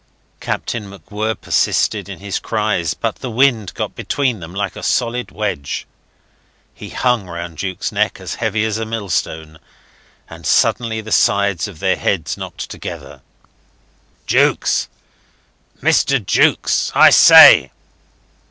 Captain MacWhirr persisted in his cries, but the wind got between them like a solid wedge. He hung round Jukes' neck as heavy as a millstone, and suddenly the sides of their heads knocked together. "Jukes! Mr. Jukes, I say!"